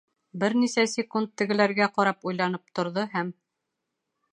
Бер нисә секунд тегеләргә ҡарап уйланып торҙо һәм: